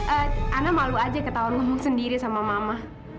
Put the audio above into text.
eh ana malu aja ketawa ngomong sendiri sama mama